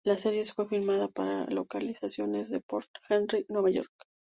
La serie fue filmada para con localizaciones en Port Henry, Nueva York.